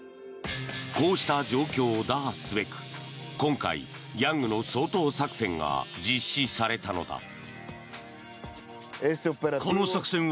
こうした状況を打破すべく今回、ギャングの掃討作戦が実施されたのだ。